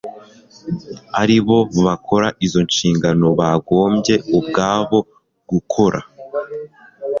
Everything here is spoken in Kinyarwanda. ari bo bakora izo nshingano bagombye ubwabo gukora